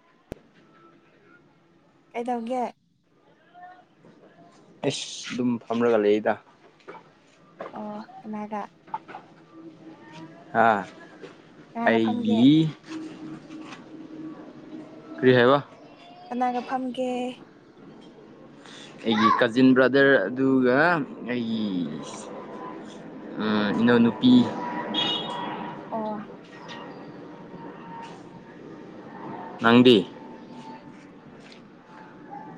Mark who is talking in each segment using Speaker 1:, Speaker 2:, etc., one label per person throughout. Speaker 1: [unintelligible]
Speaker 2: ꯀꯩꯗꯧꯒꯦ
Speaker 1: ꯑꯦꯁ ꯑꯗꯨꯝ ꯐꯝꯔꯒ ꯂꯩꯗ
Speaker 2: ꯑꯣ ꯀꯅꯒ
Speaker 1: ꯑ
Speaker 2: ꯐꯝꯒꯦ
Speaker 1: ꯑꯩꯒꯤ ꯀꯔꯤꯍꯦ ꯋꯥ
Speaker 2: ꯀꯅꯥꯒ ꯐꯝꯒꯦ
Speaker 1: ꯑꯩꯒꯤ ꯀꯖꯤꯟ ꯕ꯭ꯔꯗꯔ ꯑꯗꯨꯒ ꯑꯩꯒꯤ ꯏꯩꯅꯎ ꯅꯨꯄꯤ
Speaker 2: ꯑꯣ
Speaker 1: ꯅꯪꯗꯤ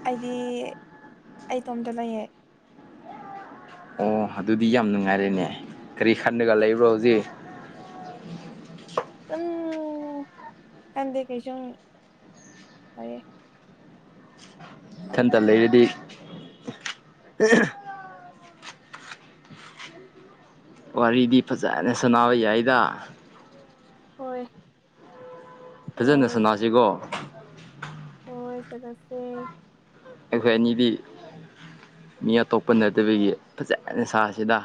Speaker 2: ꯑꯩꯗꯤ ꯑꯩꯇꯣꯝꯇ ꯂꯩꯌꯦ
Speaker 1: ꯑꯣ ꯑꯗꯨꯗꯤ ꯌꯥꯝ ꯅꯨꯡꯉꯥꯏꯔꯦꯅꯦ ꯀꯔꯤ ꯈꯟꯂꯒ ꯂꯩꯕ꯭ꯔꯣ ꯍꯧꯖꯤꯛ
Speaker 2: ꯁꯨꯝ ꯈꯟꯗꯦ ꯀꯩꯁꯨꯝ ꯋꯥꯌꯦ
Speaker 1: ꯏꯊꯟꯇ ꯂꯩꯔꯗꯤ ꯋꯥꯔꯤꯗꯤ ꯐꯖꯅ ꯁꯥꯟꯅꯥ ꯌꯥꯏꯗ
Speaker 2: ꯍꯣꯏ
Speaker 1: ꯐꯖꯅ ꯁꯅꯥꯁꯤꯒꯣ
Speaker 2: ꯍꯣꯏ ꯆꯠꯂꯁꯦ
Speaker 1: ꯑꯩꯈꯣꯏ ꯑꯅꯤꯗꯤ ꯃꯤ ꯑꯇꯣꯞꯄ ꯅꯠꯇꯕꯒꯤ ꯐꯖꯅ ꯁꯥꯁꯤꯗ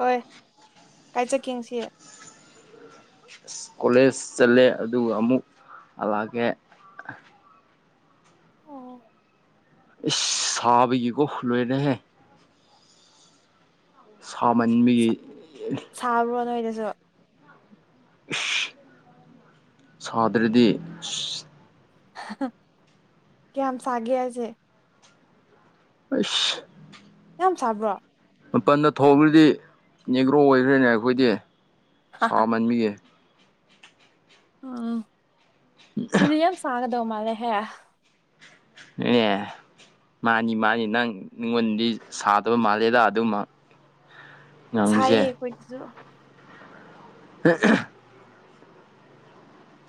Speaker 2: ꯍꯣꯏ ꯀꯥꯏ ꯆꯀꯦꯁꯤ
Speaker 1: ꯀꯣꯂꯦꯖ ꯆꯠꯂꯦ ꯑꯗꯨꯒ ꯑꯃꯨꯛ ꯍꯜꯂꯛꯑꯀꯦ ꯑꯦ ꯁꯥꯕꯒꯣ ꯂꯣꯏꯅꯦꯍꯦ ꯁꯥꯃꯟꯕꯒꯤ
Speaker 2: ꯁꯥꯕ꯭ꯔꯣ ꯅꯣꯏꯗꯁꯨ
Speaker 1: ꯁꯥꯗ꯭ꯔꯗꯤ
Speaker 2: ꯀꯌꯥꯝꯝ ꯁꯥꯒꯦ ꯍꯥꯢꯁꯦ
Speaker 1: ꯑꯁ
Speaker 2: ꯌꯥꯝ ꯁꯥꯕ꯭ꯔꯣ
Speaker 1: ꯃꯄꯜꯗ ꯊꯣꯡꯈꯗꯤ ꯅꯦꯒ꯭ꯔꯣ ꯑꯣꯏꯈ꯭ꯔꯦꯅꯦ ꯑꯩꯈꯣꯏꯗꯤ ꯁꯥ ꯃꯟꯕꯤꯒꯤ
Speaker 2: ꯎꯝ ꯂꯝ ꯁꯥꯒꯗꯧ ꯃꯥꯂꯦ ꯍꯦ
Speaker 1: ꯑꯦ ꯃꯥꯅꯤ ꯃꯥꯅꯤ ꯅꯪ ꯅꯤꯉꯣꯟꯗꯤ ꯁꯥꯗꯕ ꯃꯥꯜꯂꯦꯗ ꯑꯗꯨꯝ
Speaker 2: ꯁꯥꯏꯌꯦ ꯀꯣꯏꯗꯁꯨ
Speaker 1: ꯑ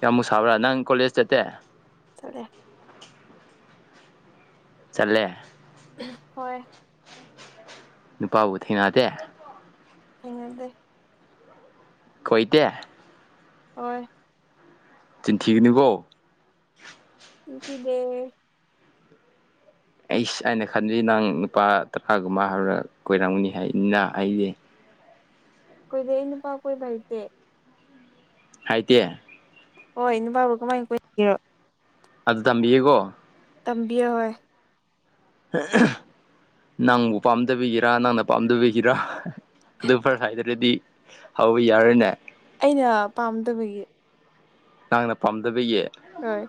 Speaker 1: ꯌꯥꯝꯃꯨꯛ ꯁꯥꯕ꯭ꯔꯥ ꯅꯪ ꯀꯣꯂꯦꯖ ꯆꯠꯇꯦ
Speaker 2: ꯆꯂꯦ
Speaker 1: ꯆꯠꯂꯦ
Speaker 2: ꯍꯣꯏ
Speaker 1: ꯅꯨꯄꯥꯕꯨ ꯊꯦꯡꯅꯗꯦ
Speaker 2: ꯊꯦꯡꯅꯗꯦ
Speaker 1: ꯈꯣꯏꯇꯦ
Speaker 2: ꯍꯣꯏ
Speaker 1: ꯆꯤꯟꯊꯤꯒꯅꯨꯀꯣ
Speaker 2: ꯆꯤꯟꯊꯤꯗꯦ
Speaker 1: ꯑꯩꯁ ꯑꯩꯅ ꯈꯟꯕꯗꯤ ꯅꯪ ꯅꯨꯄꯥ ꯇꯔꯥꯒꯨꯝꯕ ꯍꯥꯟꯅ ꯀꯣꯏꯔꯝꯒꯅꯤ ꯍꯥꯏꯅꯤꯅ ꯑꯩꯗꯤ
Speaker 2: ꯀꯣꯏꯗꯦ ꯑꯩ ꯅꯨꯄꯥ ꯀꯣꯏꯕ ꯍꯩꯇꯦ
Speaker 1: ꯍꯥꯏꯇꯦ
Speaker 2: ꯍꯣꯏ ꯅꯨꯄꯥꯕꯨ ꯀꯃꯥꯏꯅ ꯀꯣꯏꯒꯦꯔꯣ
Speaker 1: ꯍꯟ ꯇꯝꯕꯤꯌꯦꯒꫭ
Speaker 2: ꯇꯝꯕꯤꯌꫭ ꯍꫭꯏ
Speaker 1: ꯅꯪꯕꯨ ꯄꯥꯝꯗꯕꯤꯒꯤꯔꯥ ꯅꯪꯅ ꯄꯥꯝꯗꯕꯤꯒꯤꯔꯥ ꯑꯗꯨ ꯐꯔ ꯍꯥꯏꯗ꯭ꯔꯗꯗꯤ ꯍꯧꯕ ꯌꯥꯔꯣꯏꯅꯦ
Speaker 2: ꯑꯩꯅ ꯄꯥꯝꯗꯕꯒꯤ
Speaker 1: ꯅꯪꯅ ꯄꯥꯝꯗꯕꯒꯤ
Speaker 2: ꯍꯣꯏ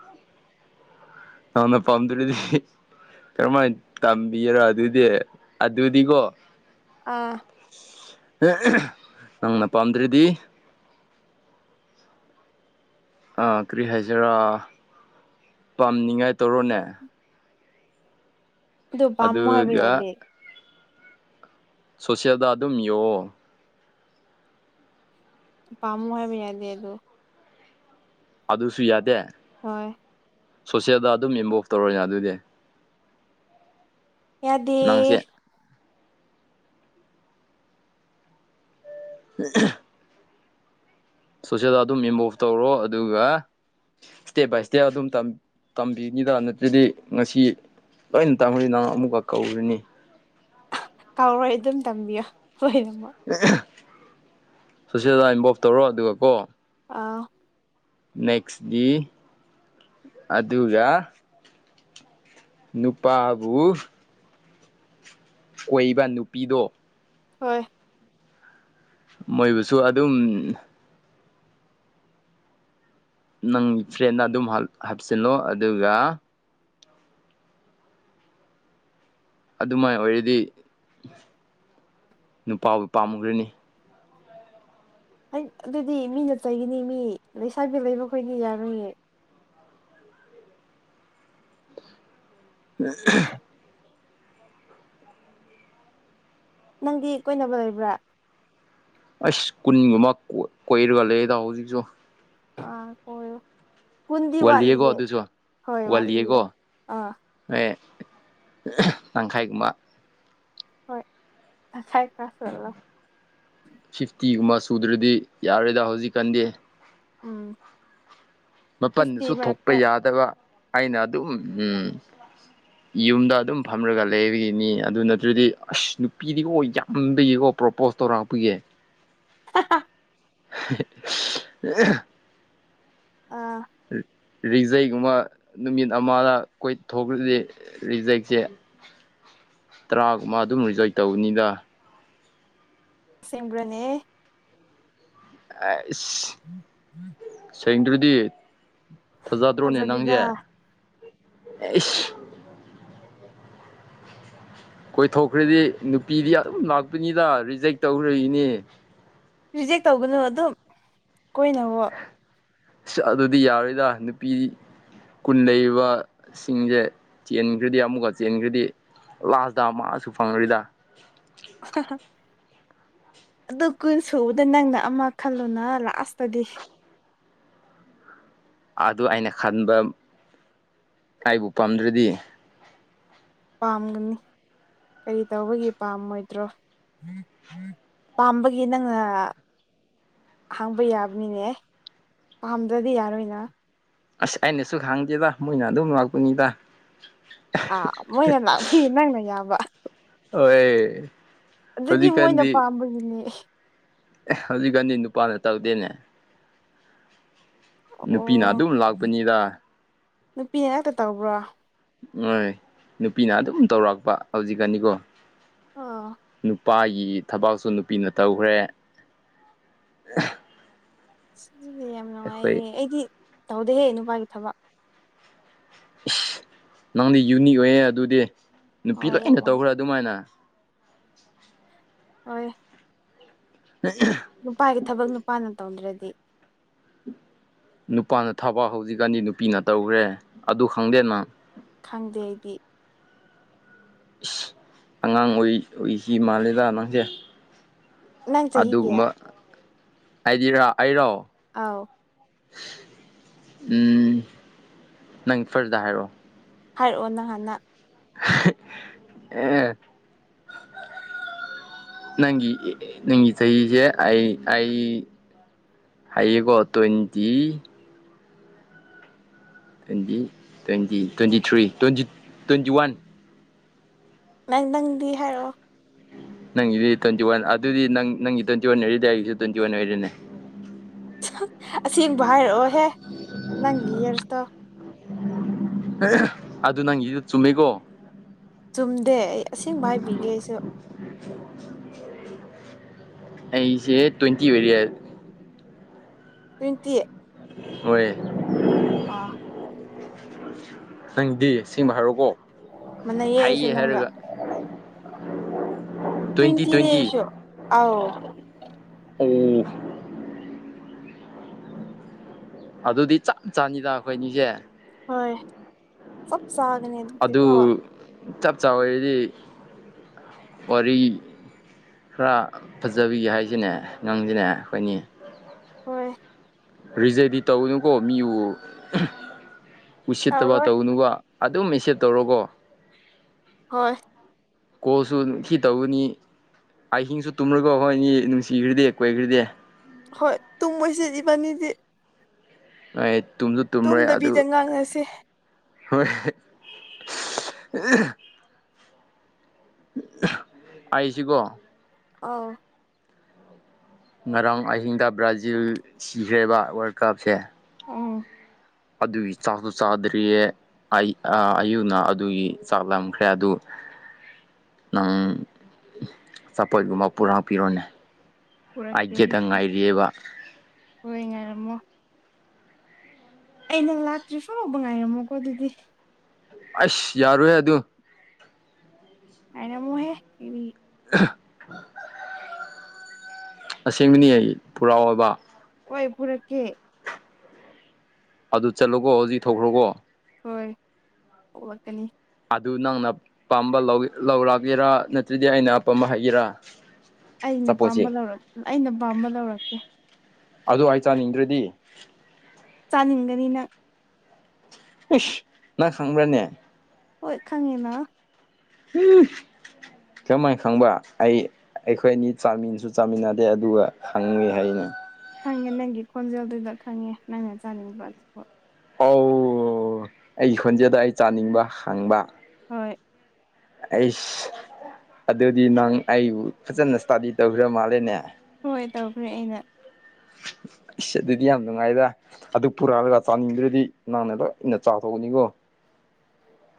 Speaker 1: ꯅꯪꯅ ꯄꯝꯗꯨꯔꯗꯤ ꯀꯔꯝꯍꯥꯏꯅ ꯇꯝꯕꯤꯔꯥ ꯑꯗꯨꯗꯤ ꯑꯗꯨꯗꯤꯀꯣ
Speaker 2: ꯑꯥ
Speaker 1: ꯅꯪꯅ ꯄꯥꯝꯗ꯭ꯔꯤꯗꯤ ꯑꯥ ꯀꯔꯤ ꯍꯥꯏꯁꯤꯔꯥ ꯄꯥꯝꯅꯤꯉꯥꯏ ꯇꯧꯔꯣꯅꯦ
Speaker 2: ꯑꯗꯗꯣ ꯄꯝꯃꫭ ꯍꯥꯏꯕ
Speaker 1: ꯑꯗꯨꯒ
Speaker 2: ꯌꯥꯗꯦ
Speaker 1: ꯁꯣꯁꯤꯌꯦꯜꯗ ꯑꯗꯨꯝ ꯌꯦꯛꯑꯣ
Speaker 2: ꯄꯝꯃꯥ ꯍꯥꯏꯕ ꯌꯥꯗꯦ ꯑꯗꯨꯨ
Speaker 1: ꯑꯗꯨꯁꯨ ꯌꯥꯗꯦ
Speaker 2: ꯍꯣꯏ
Speaker 1: ꯁꯣꯁꯤꯌꯦꯜꯗ ꯑꯗꯨꯝ ꯏꯟꯚꫭꯜꯚ ꯇꯧꯔꯣ ꯌꯥꯗꫭꯏꯗꯤ
Speaker 2: ꯌꯥꯗꯦ
Speaker 1: ꯅꯪꯁꯦ [inaudible] ꯁꯣꯁꯦꯜꯗ ꯑꯗꯨꯝ ꯏꯟꯚꫭꯜꯚ ꯇꯧꯔꯣ ꯑꯗꯨꯒ ꯁꯇꯦꯞ ꯕꯥꯏ ꯁꯇꯦꯞ ꯑꯗꯨꯝ ꯇꯝꯕꯤ ꯇꯝꯕꯤꯔꯤꯗ ꯅꯠꯇ꯭ꯔꯗꯤ ꯉꯁꯤ ꯂꯣꯏꯅ ꯇꯥꯃꯔꯤ ꯅꯪ ꯑꯃꯨꯛꯀ ꯀꯧꯔꯤꯅꯤ
Speaker 2: ꯀꯥꯎꯔꯣꯏ ꯑꯗꯨꯝ ꯇꯝꯕꯤꯌꯣ ꯂꫭꯏꯅꯃꯛ
Speaker 1: ꯁꯣꯁꯦꯜꯗ ꯏꯟꯚꯣꯜꯞ ꯇꯧꯔꯣ ꯑꯗꯨꯒ ꯀꯣ
Speaker 2: ꯑꯥ
Speaker 1: ꯅꯦꯛꯁ ꯗꯤ ꯑꯗꯨꯒ ꯅꯨꯄꯥꯕꯨ ꯀꫭꯏꯕ ꯅꯨꯄꯤꯗꯣ
Speaker 2: ꯍꯣꯏ
Speaker 1: ꯃꯣꯏꯕꯨꯁꯨ ꯑꯗꯨꯝ ꯅꯪ ꯐ꯭ꯔꯦꯟꯗ ꯑꯗꯨꯝ ꯍꯥꯞꯆꯤꯜꯂꯣ ꯑꯗꯨꯒꯥ ꯑꯗꯨꯃꯥꯏꯅ ꯑꯣꯏꯔꯗꯤ ꯅꯨꯄꯥꯕꯨ ꯄꯥꯝꯃꯨꯈ꯭ꯔꯅꯤ
Speaker 2: ꯍꯩ ꯑꯗꯨꯗꯤ ꯃꯤꯅ ꯆꯩꯒꯤꯅꯤ ꯃꯤ ꯂꯩꯁꯥꯕꯤ ꯂꯩꯕꯈꯣꯏꯗꯤ ꯌꯥꯔꯣꯏꯅꯦ
Speaker 1: [inaudible]
Speaker 2: ꯅꯪꯗꯤ ꯀꯣꯏꯅꯕ ꯂꯩꯕ꯭ꯔꯥ
Speaker 1: ꯑꯁ ꯀꯨꯟꯒꯨꯝꯕ ꯀꯣꯏꯔꯒ ꯂꯩꯌꯦꯗ ꯍꯧꯖꯤꯛꯁꯨ
Speaker 2: ꯑꯥ ꯀꫭꯏꯌꯣ ꯀꯨꯟꯗꯤ
Speaker 1: ꯋꯥꯠꯂꯤꯌꯦꯀꯣ
Speaker 2: ꯋꯥꯠꯂꯤꯍꯦ
Speaker 1: ꯑꯗꯨꯁꯨ
Speaker 2: ꯍꯣꯏ ꯋꯥꯠꯂꯤꯌꯦ
Speaker 1: ꯋꯥꯠꯂꯤꯌꯦꯀꯣ
Speaker 2: ꯑꯥ
Speaker 1: ꯑꯦ ꯇꯪꯈꯥꯏꯒꯨꯝꯕ
Speaker 2: ꯍꯣꯏ ꯇꯪꯈꯥꯏ ꯀꯥꯁ ꯆꯠꯂꫭ
Speaker 1: ꯐꯤꯐꯇꯤꯒꯨꯝꯕ ꯁꯨꯗ꯭ꯔꯗꯤ ꯌꯥꯔꯣꯏꯗ ꯍꯧꯖꯤꯛꯀꯥꯟꯗꯤ
Speaker 2: ꯎꯝ
Speaker 1: ꯃꯄꯟꯗꯨꯁꯨ
Speaker 2: ꯐꯤꯐꯇꯤ
Speaker 1: ꯊꯣꯛꯄ
Speaker 2: ꯃꯔꯛꯇ
Speaker 1: ꯌꯥꯗꯕ ꯑꯩꯅ ꯑꯗꯨꯝ ꯌꯨꯝꯗ ꯑꯗꯨꯝ ꯐꯝꯔꯒ ꯂꯩꯕꯒꯤꯅꯤ ꯑꯗꯨ ꯅꯠꯇ꯭ꯔꯗꯤ ꯑꯁ ꯅꯨꯄꯤꯗꯤꯀꯣ ꯌꯥꯝꯗꯒꯤꯀꯣ ꯄ꯭ꯔꯣꯄꯣꯁ ꯇꯧꯔꯛꯄꯒꯦ
Speaker 2: [unintelligible]
Speaker 1: [inaudible]
Speaker 2: ꯑ
Speaker 1: ꯔꯤꯖꯩꯒꯨꯝꯕ ꯅꯨꯃꯤꯠ ꯑꯃꯗ ꯀꯣꯏꯊꯈ꯭ꯔꯗꯤ ꯔꯤꯖꯩꯁꯦ
Speaker 2: [inaudible]
Speaker 1: ꯇꯔꯥꯒꯃ ꯑꯗꯨꯝ ꯔꯤꯖꯣꯏ ꯇꯧꯕꯅꯤꯗ
Speaker 2: ꯁ꯭ꯔꯅꯦ
Speaker 1: ꯑ
Speaker 2: ꯎꯝ ꯎꯝ
Speaker 1: ꯁꯦꯡꯗ꯭ꯔꯗꯤ ꯐꯥꯖꯗ꯭ꯔꯣꯅꯦ
Speaker 2: ꯊꯥꯖꯗꯦꯗ
Speaker 1: ꯅꯪꯁꯦ ꯑꯦ ꯀꯣꯏꯊꯣꯛꯈ꯭ꯔꯗꯤ ꯅꯨꯄꯤꯗꯤ ꯑꯗꯨꯝ ꯂꯥꯛꯄꯅꯤꯅ ꯔꯤꯖꯦꯛ ꯇꯧꯈ꯭ꯔꯏꯅꯤ
Speaker 2: ꯔꯤꯖꯦꯛ ꯇꯧꯒꯅꯨ ꯑꯗꯨꯝ ꯀꯣꯏꯅꯕꯣ
Speaker 1: ꯑꯗꯨꯗꯤ ꯌꯥꯔꯣꯏꯗ ꯅꯨꯄꯤꯗꯤ ꯀꯨꯟ ꯂꯩꯔꯤꯕꯕ ꯁꯤꯡꯁꯦ ꯆꯦꯟꯈ꯭ꯔꯗꯤ ꯑꯃꯨꯛꯀ ꯆꯦꯟꯈ꯭ꯔꯗꯤ ꯂꯥꯁꯗꯥ ꯃꯥꯁꯨ ꯐꯪꯅꯔꯤꯗ
Speaker 2: ꯑꯗꯨ ꯀꯨꯏꯟ ꯁꯨꯕꯗ ꯅꯪꯅ ꯑꯃ ꯈꯜꯂꯨꯅ ꯂꯥꯁꯇꯗꯤ [unintelligible]
Speaker 1: ꯑꯗꯨ ꯑꯩꯅ ꯈꯟꯕ ꯑꯩꯕꯨ ꯄꯥꯝꯗ꯭ꯔꯗꯤ
Speaker 2: ꯄꯥꯝꯒꯅꯤ ꯀꯔꯤ ꯇꯧꯕꯒꯤ ꯄꯥꯝꯃꯣꯏꯗ꯭ꯔꯣ ꯎꯝ ꯎꯝ ꯄꯥꯝꯕꯒꯤ ꯅꯪ ꯑꯍꯥꯡꯕ ꯌꯥꯕꯅꯤꯅꯦ ꯄꯥꯝꯗ꯭ꯔꯗꯤ ꯌꯥꯔꯣꯏꯅ
Speaker 1: ꯑꯁ ꯑꯩꯅꯁꯨ ꯈꯥꯡꯗꯦꯗ ꯃꯣꯏꯅ ꯑꯗꯨꯝ ꯂꯥꯛꯄꯅꯤꯗ
Speaker 2: ꯑꯥ ꯃꯣꯏꯅ ꯂꯥꯛꯄꯤꯌꯦ ꯅꯪꯅ ꯌꯥꯕ
Speaker 1: ꯍ
Speaker 2: ꯑꯗꯨꯗꯤ ꯃꯣꯏꯅ ꯄꯥꯝꯕꯒꯤꯅꯦ
Speaker 1: ꯍꯧꯖꯤꯛꯀꯥꯟꯗꯤ ꯅꯨꯄꯥꯅ ꯇꯧꯗꯦꯅꯦ ꯅꯨꯄꯤꯅ
Speaker 2: ꯑꯣ
Speaker 1: ꯑꯗꯨꯝ ꯂꯥꯛꯄꯅꯤꯗ
Speaker 2: ꯅꯨꯄꯤꯅ ꯍꯦꯛꯇ ꯇꯧꯕ꯭ꯔꯣ
Speaker 1: ꯍꯣꯏ ꯅꯨꯄꯤꯅ ꯑꯗꯨꯝ ꯇꯧꯔꯛꯄ ꯍꯧꯖꯤꯛꯀꯅꯤꯀꯣ
Speaker 2: ꯑꯣ
Speaker 1: ꯅꯨꯄꯥꯒꯤ ꯊꯕꯥꯛꯁꯨ ꯅꯨꯄꯤꯅ ꯇꯧꯈ꯭ꯔꯦ
Speaker 2: ꯁꯤꯗꯤ ꯌꯥꯝ ꯅꯨꯡꯉꯥꯏꯍꯦ
Speaker 1: ꯑꯩꯈꯣꯏ
Speaker 2: ꯑꯩꯗꯤ ꯇꯧꯗꯦꯍꯦ ꯅꯨꯄꯥꯒꯤ ꯊꯕꯛ
Speaker 1: ꯏꯁ ꯅꯪꯗꯤ ꯌꯨꯅꯤꯛ ꯑꯣꯏꯌꯦ ꯑꯗꯨꯗꯤ ꯅꯨꯄꯤ
Speaker 2: ꯍꯣꯏ ꯌꯥꯝ
Speaker 1: ꯂꯣꯏꯅ
Speaker 2: ꯑꯣꯏ
Speaker 1: ꯇꯧꯈ꯭ꯔꯥ ꯑꯗꯨꯃꯥꯏꯅ [unintelligible]
Speaker 2: ꯍꯣꯏ
Speaker 1: ꯍ
Speaker 2: ꯅꯨꯄꯥꯒꯤ ꯊꯕꯛ ꯅꯨꯄꯥꯅ ꯇꯧꯗ꯭ꯔꯗꯤ
Speaker 1: ꯅꯨꯄꯥꯅ ꯊꯕꯛ ꯍꯧꯖꯤꯛꯀꯥꯟꯗꯤ ꯅꯨꯄꯤꯅ ꯇꯧꯈ꯭ꯔꯦ ꯑꯗꯨ ꯈꯪꯗꯦ ꯅꯪ
Speaker 2: ꯈꯪꯗꯦ ꯑꯩꯗꯤ
Speaker 1: ꯏꯁ ꯑꯉꯥꯡ ꯑꯣꯏ ꯑꯣꯏꯁꯤ ꯃꯥ ꯂꯤꯂꯥ ꯅꯪꯁꯦ
Speaker 2: ꯅꯪ ꯆꯍꯤ ꯀꯌꯥ
Speaker 1: ꯑꯗꯨꯒꯨꯝꯕ ꯍꯥꯏꯗꯤꯔꯥ ꯑꯩꯔꯣ
Speaker 2: ꯑꯥꯎ
Speaker 1: ꯎꯝ ꯅꯪ ꯐꯔꯗ ꯍꯥꯏꯔꯛꯑꯣ
Speaker 2: ꯍꯥꯏꯔꯛꯑꯣ ꯅꯍꯥꯟꯅ
Speaker 1: ꯑ ꯅꯪ ꯅꯪ ꯁꯁꯦ ꯑꯩ ꯑꯩ ꯑꯩꯒꯣ ꯇ ꯏꯇꯤ twenty twenty twenty three twenty twenty one
Speaker 2: ꯅꯪ ꯅꯪꯗꯤ ꯍꯥꯏꯔꯛꯑꯣ
Speaker 1: ꯅꯪꯗꯤ ꯇ꯭ꯋꯦꯟꯇꯤ ꯋꯥꯟ ꯑꯗꯨꯗꯤ ꯅꯪ ꯅꯪꯒꯤ ꯇ꯭ꯋꯦꯟꯇꯤ ꯋꯥꯟ ꯍꯥꯏꯔꯤꯗꯤ ꯑꯩꯒꯤꯁꯨ ꯇ꯭ꯋꯦꯟꯇꯤ ꯋꯥꯟ ꯑꯣꯏꯔꯤꯅꯦ
Speaker 2: ꯑꯁꯦꯡꯕ ꯍꯥꯏꯔꯛꯑꯣꯍꯦ ꯅꯪꯒꯤ ꯌꯔꯁꯇꯣ
Speaker 1: ꯑꯗꯨ ꯅꯪꯒꯤ ꯆꯨꯝꯃꯤꯀꯣ
Speaker 2: ꯆꯨꯝꯗꯦ ꯑꯩ ꯑꯁꯦꯡꯕ ꯍꯥꯏꯕꯤꯒꯦ ꯑꯩꯁꯨ
Speaker 1: ꯑꯩꯁꯦ ꯇ꯭ꯋꯦꯟꯇꯤ ꯑꯣꯏꯔ
Speaker 2: ꯇ꯭ꯋꯦꯟꯇꯤ ꯑꯦꯠ
Speaker 1: ꯃ
Speaker 2: ꯑꯥ
Speaker 1: ꯅꯪꯗꯤ ꯁꯤꯃ ꯍꯥꯏꯔꯣꯀꯣ
Speaker 2: ꯃꯅ ꯌꯦꯏꯁꯨ
Speaker 1: ꯍꯩꯌꯦ
Speaker 2: ꯅꯪꯒ
Speaker 1: ꯍꯥꯏꯔꯒ
Speaker 2: ꯇꯨꯏ
Speaker 1: ꯇ꯭ꯋꯦꯟꯇꯤ
Speaker 2: ꯇꯅꯦ
Speaker 1: ꯇ꯭ꯋꯦꯟꯇꯤ
Speaker 2: ꯑꯦꯁꯣ ꯑ
Speaker 1: ꯎꯝ ꯑꯗꯨꯗꯤ ꯆꯞ ꯆꯥꯅꯤꯗ ꯑꯩꯈꯣꯏꯅꯤꯁꯦ
Speaker 2: ꯍꯣꯏ ꯁ ꯁꯥꯒꯅꯦ ꯑꯗꯨꯗꯤꯦ ꯀꯋꯥ
Speaker 1: ꯑꯗꯨ ꯆꯞ ꯆꯥꯕꯗꯤ ꯋꯥꯔꯤ ꯈꯔ ꯐꯖꯕꯤ ꯍꯥꯏꯁꯤꯅꯦ ꯅꯪꯁꯤꯅꯦ ꯑꯩꯈꯣꯏꯅꯤ
Speaker 2: ꯍꯣꯏ
Speaker 1: ꯔꯤꯖꯦꯗꯤ ꯇꯧꯅꯨꯀꯣ ꯃꯤꯕꯨ ꯎꯁꯤꯠꯇꯕ
Speaker 2: ꯇꯧꯔꯣꯏ
Speaker 1: ꯇꯧꯅꯨꯕ ꯑꯗꯨ ꯃꯤꯦꯁꯞ ꯇꯧꯔꯣꯒꯣ
Speaker 2: ꯍꯣꯏ
Speaker 1: ꯀꯣꯁꯨꯈꯤ ꯇꯧꯒꯅꯤ ꯑꯍꯤꯡꯁꯨ ꯇꯨꯝꯔꯒꯣ ꯍꯣꯏ ꯏꯅꯤ ꯅꯨꯡꯁꯤꯈ꯭ꯔꯗꯤꯦ ꯀꯣꯏꯈ꯭ꯗꯤꯦ
Speaker 2: ꯍꯣꯏ ꯇꯨꯡ ꯃꯣꯏꯁꯦ ꯏꯖꯤꯕꯥꯅꯤꯗꯤ
Speaker 1: ꯍꯣꯏ ꯇꯨꯝꯁꯨ ꯇꯨꯝꯔꯣꯏ ꯑꯗꯨ
Speaker 2: ꯉꯥꯡꯉꯁꯦ
Speaker 1: ꯍꯣꯏꯣꯏ ꯑꯩꯁꯤꯀꯣ
Speaker 2: ꯑꯥ
Speaker 1: ꯉꯔꯥꯡ ꯑꯍꯤꯡꯗ ꯕ꯭ꯔꯥꯖꯤꯜ ꯁꯤꯈ꯭ꯔꯦꯕ ꯋꯥꯔꯜ ꯀꯞꯁꯦ
Speaker 2: ꯑꯥ
Speaker 1: ꯑꯗꯨꯒꯤ ꯆꯥꯛꯇꯣ ꯆꯥꯗ꯭ꯔꯤꯌꯦ ꯑꯌꯨꯅ ꯑꯗꯨꯒꯤ ꯆꯥꯛ ꯂꯈ꯭ꯔꯦ ꯑꯗꯨ
Speaker 2: [unintelligible]
Speaker 1: ꯅꯪ ꯆꯄꯣꯠꯒꯨꯝꯕ ꯄꯨꯔꯥꯄꯤꯤꯔꯣꯅꯦ
Speaker 2: ꯄꯨꯔꯛꯀꯦ
Speaker 1: ꯑꯖꯗ
Speaker 2: ꯍꯣꯏ
Speaker 1: ꯉꯥꯏꯔꯤꯕ
Speaker 2: ꯑꯃ ꯑꯩ ꯅꯪ ꯂꯥꯛꯇ꯭ꯔꯤ ꯐꯥꯎꯕ ꯉꯥꯏꯔꯝꯃꯣꯀꯣ ꯑꯗꯨꯗꯤ
Speaker 1: ꯑꯁ ꯌꯥꯔꯣꯏꯦ ꯑꯗꯨ
Speaker 2: ꯀꯥꯏꯅ ꯃꯨꯍꯦ ꯀ
Speaker 1: [inaudible] ꯑꯁꯦꯡꯕꯅꯤ ꯑꯩ ꯄꯨꯔꯥ ꯑꯣꯏꯕ
Speaker 2: ꯀꯣꯏ ꯄꯨꯔꯛꯀꯦ
Speaker 1: ꯑꯗꯨ ꯆꯠꯂꯨꯀꯣ ꯍꯧꯖꯤꯛ ꯊꯣꯛꯈ꯭ꯔꯣꯀꯣ
Speaker 2: ꯍꯣꯏ ꯄꯣꯛꯂꯛꯀꯅꯤ
Speaker 1: ꯑꯗꯨ ꯅꯪꯅ ꯑ ꯄꯥꯝꯕ ꯂꯧꯔꯛꯒꯦꯔꯥ ꯅꯠꯇ꯭ꯔꯗꯤ ꯑꯩꯅ ꯑꯄꯥꯝꯕ ꯍꯩꯒꯦꯔꯥ
Speaker 2: ꯑꯩꯅ ꯄꯥꯝꯕ ꯂꯧꯔ ꯑꯩꯅ ꯄꯥꯝꯕ ꯂꯧꯔꯛꯀꯦ
Speaker 1: ꯑꯗꯨ ꯑꯩ ꯆꯥꯅꯤꯡꯗ꯭ꯔꯗꯤ
Speaker 2: ꯆꯥꯅꯤꯡꯒꯅꯤꯅ
Speaker 1: ꯏꯁ ꯅꯪ ꯈꯪꯕ꯭ꯔꯥꯅꯦ
Speaker 2: ꯍꯣꯏ ꯈꯪꯉꯦꯅ
Speaker 1: ꯎꯝ ꯀꯃꯥꯏ ꯈꯪꯕ ꯑꯩ ꯑꯩꯈꯣꯏ ꯑꯅꯤ ꯆꯥꯃꯤꯟꯁꯨ ꯆꯥꯃꯤꯟꯅꯗꯦ ꯑꯗꯨꯒ ꯈꯪꯉꯏ ꯍꯥꯏꯅꯤ
Speaker 2: ꯈꯪꯉꯦ ꯅꯪꯒꯤ ꯈꯣꯟꯖꯦꯜꯗꯨꯗ ꯈꯪꯉꯦ ꯅꯪꯅ ꯆꯥꯅꯤꯡꯕꯣ
Speaker 1: ꯑꯣ ꯑꯩꯒꯤ ꯈꯣꯟꯖꯦꯜꯗ ꯑꯩ ꯆꯥꯅꯤꯡꯕ ꯍꯪꯕ
Speaker 2: ꯍꯣꯏ
Speaker 1: ꯑꯩꯁ ꯑꯗꯨꯗꯤ ꯅꯪ ꯑꯩꯕꯨ ꯐꯖꯅ ꯏꯁꯇꯥꯗꯤ ꯇꯧꯈ꯭ꯔ ꯃꯥꯜꯂꯦꯅꯦ
Speaker 2: ꯍꯣꯏ ꯇꯧꯈ꯭ꯔꯦ ꯑꯩꯅ
Speaker 1: ꯑ ꯑꯗꯨꯗꯤ ꯌꯥꯝ ꯅꯨꯡꯉꯥꯏꯗ ꯑꯗꯨ ꯄꯨꯔꯛꯑꯂꯒ ꯆꯥꯅꯤꯡꯗ꯭ꯔꯗꯤ ꯅꯪꯅ ꯂ ꯏꯟꯅ ꯆꯥꯊꯣꯛꯑꯅꯤꯀꯣ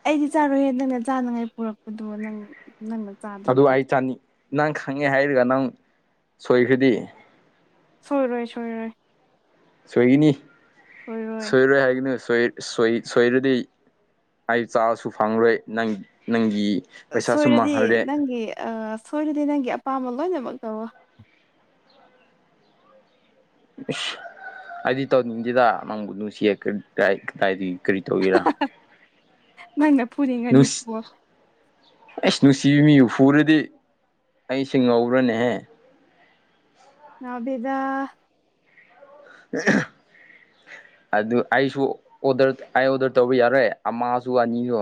Speaker 2: ꯑꯩꯗꯤ ꯆꯥꯔꯣꯏꯍꯦ ꯅꯪꯅ ꯆꯥꯅꯉꯥꯏ ꯄꯨꯔꯛꯄꯗꯨꯃ ꯅꯪ ꯅꯪꯅ
Speaker 1: ꯑꯗꯨ
Speaker 2: ꯆꯥꯗ꯭ꯔꯗꯤ
Speaker 1: ꯑꯩ ꯆꯥꯅꯤꯡ ꯅꯪ ꯈꯪꯉꯦ ꯍꯥꯏꯔꯒ ꯅꯪ ꯁꯣꯏꯈ꯭ꯔꯗꯤ
Speaker 2: ꯁꯣꯏꯔꯣꯏ ꯁꯣꯏꯔꯣꯏ
Speaker 1: ꯁꯣꯏꯒꯤꯅꯤ ꯁꯣꯏꯔꯣꯏ ꯍꯥꯏꯒꯅꯨ ꯁꯣꯏ ꯁꯣꯏꯔꯗꯤ ꯑꯩ ꯆꯥꯕꯁꯨ ꯐꯪꯂꯣꯏ ꯅꯪ ꯅꯪꯒꯤ ꯄꯩꯁꯥꯁꯨ
Speaker 2: ꯁꯣꯏꯔꯗꯤ
Speaker 1: ꯃꯥꯡꯍꯜꯂꯦ
Speaker 2: ꯅꯪꯒꯤ ꯁꯣꯏꯔꯗꯤ ꯅꯪꯒꯤ ꯑꯄꯥꯝꯕ ꯂꯣꯏꯅꯃꯛ ꯇꯧꯋ
Speaker 1: ꯑꯩꯗꯤ ꯇꯧꯅꯤꯡꯁꯤꯗ ꯅꯪꯕꯨ ꯅꯨꯡꯁꯤꯗꯥ ꯀꯔꯤ ꯇꯒꯔꯥ
Speaker 2: ꯅꯪꯅ ꯐꯨꯅꯤꯡꯉꯗꯤ ꯐꯨꯋꯣ
Speaker 1: ꯑꯩꯁ ꯅꯨꯡꯁꯤꯕꯤ ꯃꯤꯕꯨ ꯐꯨꯔꯗꯤ ꯑꯩꯁꯦ ꯉꯧꯔꯅꯦꯍꯦ
Speaker 2: ꯅꯕꯤꯗꯥ
Speaker 1: ꯑꯦ ꯑꯗꯨ ꯑꯩꯁꯨ ꯑꯣꯗ ꯑꯩ ꯑꯣꯗꯔ ꯇꯧꯕ ꯌꯥꯔꯣꯏ ꯑꯃꯁꯁꯨ ꯑꯅꯤꯁꯨ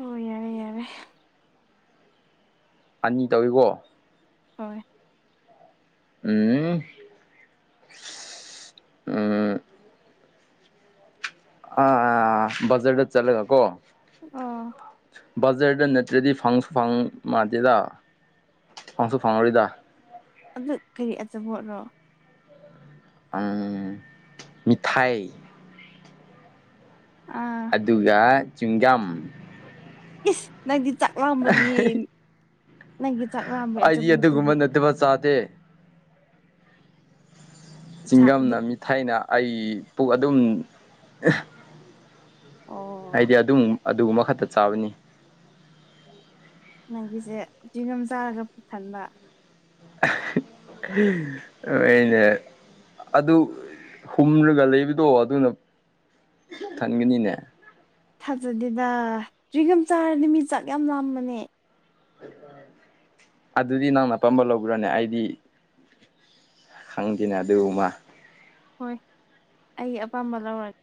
Speaker 2: ꯑꯣ ꯌꯥꯔꯦ ꯌꯥꯔꯦ
Speaker 1: ꯑꯅꯤ ꯇꯧꯏꯤꯀꯣ
Speaker 2: ꯍꯣꯏ
Speaker 1: ꯎꯝ ꯑꯝ ꯑꯥꯥ ꯖꯔꯗ ꯆꯠꯂꯒꯀꯣ
Speaker 2: ꯑꯣ
Speaker 1: ꯕꯖꯔꯗ ꯅꯠꯇ꯭ꯔꯗꯤ ꯐꯪꯁꯨ ꯐꯪ ꯃꯥꯟꯗꯦꯔ ꯐꯪꯁꯨ ꯐꯪꯉꯔꯤꯗ
Speaker 2: ꯑꯗꯨ ꯀꯔꯤ ꯑꯆꯥꯄꯣꯠꯅꯣ
Speaker 1: ꯃꯤꯊꯥꯏ
Speaker 2: ꯑꯥ
Speaker 1: ꯑꯗꯨꯒ ꯆꯤꯡꯖꯝ
Speaker 2: ꯏꯁ ꯅꯪ ꯆꯥꯛ ꯂꯥꯝꯕꯒꯤ ꯅꯪꯒꯤ ꯆꯥꯛ ꯂꯥꯝꯕꯒꯤ
Speaker 1: ꯑꯩꯗꯤ
Speaker 2: ꯑꯆꯥꯄꯣꯠꯇꯨꯗꯤ
Speaker 1: ꯑꯗꯨꯒꯨꯝꯕ ꯅꯠꯇꯕ
Speaker 2: ꯆꯥꯛ ꯑꯗꯨ
Speaker 1: ꯆꯤꯡꯒꯝꯅ ꯃꯤꯊꯥꯏꯅ ꯑꯩ ꯄꯨ ꯑꯗꯨꯝ
Speaker 2: ꯑꯣ
Speaker 1: ꯍꯥꯏꯗꯤ ꯑꯗꯨꯝ ꯑꯗꯨꯒꯨꯝꯕ ꯈꯛꯇ ꯆꯥꯕꯅꯤ
Speaker 2: ꯅꯪꯒꯤꯁꯦ ꯆꯤꯉꯝ ꯆꯥꯔꯒ ꯄꯨꯊꯟꯕ
Speaker 1: ꯑꯩꯅ ꯑꯗꯨ ꯍꯨꯝꯂꯒ ꯂꯩꯕꯗꯣ ꯑꯗꯨꯅ ꯊꯟꯒꯅꯤꯅꯦ
Speaker 2: ꯊꯥꯖꯗꯦꯗ ꯔꯤꯒꯝ ꯆꯥꯔꯗꯤ ꯃꯤ ꯆꯥꯛ ꯌꯥꯝ ꯂꯝꯕꯅꯦ
Speaker 1: ꯑꯗꯨꯗꯤ ꯅꯪꯅ ꯑꯄꯥꯝꯕ ꯂꯧꯕ꯭ꯔꯅꯦ ꯑꯩꯗꯤ ꯈꯪꯗꯅ ꯑꯗꯨ ꯑꯣꯃꯥ
Speaker 2: ꯍꯣꯏ ꯑꯩ ꯑꯄꯥꯝꯕ ꯂꯧꯔꯒꯦ